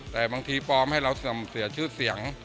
แต่บางทีปลอมให้เราเสื่อมเสียชื่อเสียง